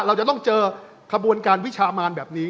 เราจะต้องเจอขบวนการวิชามาน